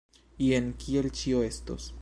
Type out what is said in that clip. Jen kiel ĉio estos.